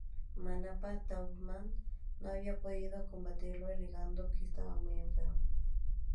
Manapa-Tarhunta no había podido combatirlo, alegando que estaba muy enfermo.